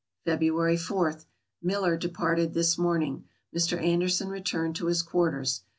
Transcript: February 4. — Miller departed this morning. Mr. Ander son returned to his quarters.